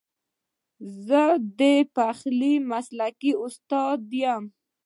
زه د پخلي مسلکي استاد یم